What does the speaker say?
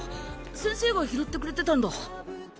先生が拾ってくれてたんだ。